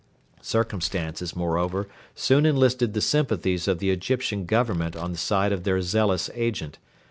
Circumstances, moreover, soon enlisted the sympathies of the Egyptian Government on the side of their zealous agent.